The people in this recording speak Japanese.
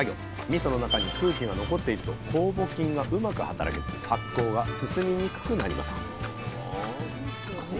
みその中に空気が残っていると酵母菌がうまく働けず発酵が進みにくくなります